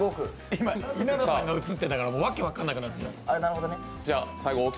今、稲田さんが映ってたからわけわかんなくなっちゃう。